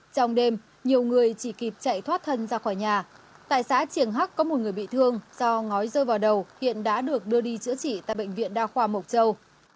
trong đêm nhiều người chỉ kịp chạy thoát thân ra khỏi nhà tại xã triển hắc có một người bị thương do ngói rơi vào đầu hiện đã được đưa đi chữa trị tại bệnh viện đa khoa mộc châu